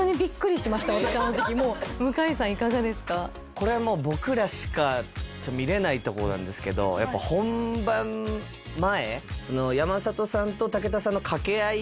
これは僕らしか見れないとこなんですけど本番前。